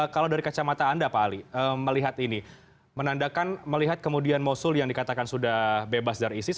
kalau dari kacamata anda pak ali melihat ini menandakan melihat kemudian mosul yang dikatakan sudah bebas dari isis